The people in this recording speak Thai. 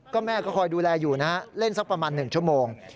ก็แม่ก็คอยดูแลอยู่นะฮะเล่นสักประมาณ๑ชั่วโมง